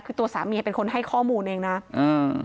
คือตัวสามีเป็นคนให้ข้อมูลเองนะอืม